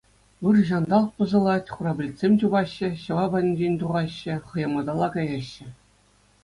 Ыр ҫанталӑк пӑсӑлать, хура пӗлӗтсем чупаҫҫӗ, ҫӑва патӗнчен тухаҫҫӗ, хӑяматалла каяҫҫӗ!